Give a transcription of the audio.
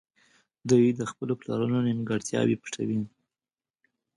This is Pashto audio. دوی د خپلو پلرونو نيمګړتياوې پټوي.